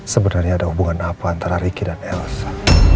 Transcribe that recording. sebenarnya ada hubungan apa antara ricky dan elsa